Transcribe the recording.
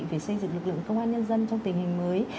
về xây dựng lực lượng công an nhân dân trong tình hình mới